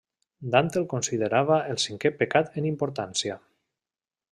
Dante el considerava el cinquè pecat en importància.